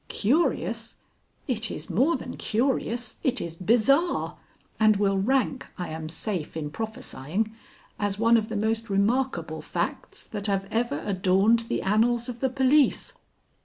"Curious? It is more than curious; it is bizarre, and will rank, I am safe in prophesying, as one of the most remarkable facts that have ever adorned the annals of the police.